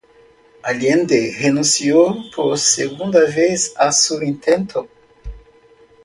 Allende renunció por segunda vez a su intento.